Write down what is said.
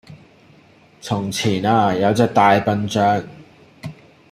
從前呀有隻大笨象